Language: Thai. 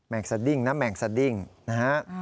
งสดิ้งนะแมงสดิ้งนะฮะ